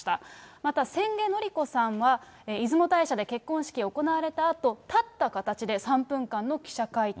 また千家典子さんは、出雲大社で結婚式が行われたあと、立った形で３分間の記者会見。